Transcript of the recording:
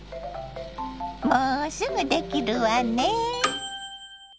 もうすぐできるわねぇ。